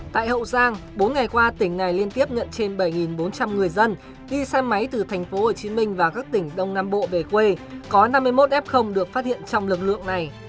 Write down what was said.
tại hậu giang bốn ngày qua tỉnh này liên tiếp nhận trên bảy bốn trăm linh người dân đi xe máy từ tp hcm và các tỉnh đông nam bộ về quê có năm mươi một f được phát hiện trong lực lượng này